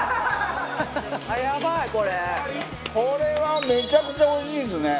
これはめちゃくちゃおいしいですね。